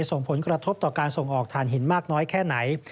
ส่งผลกระทบต่อการส่งออกฐานหินมากน้อยแค่ไหน